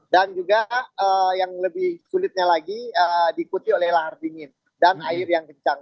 dan juga yang lebih sulitnya lagi diikuti oleh lahar dingin dan air yang kencang